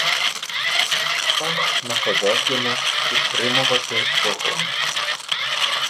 Стах наказав йому підтримувати вогонь.